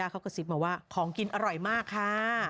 ของกินอร่อยมากค่ะ